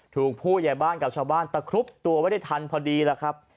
ผู้ใหญ่บ้านกับชาวบ้านตะครุบตัวไว้ได้ทันพอดีแล้วครับ